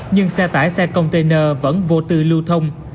nhưng xe tải xe container vẫn vô tư lưu thông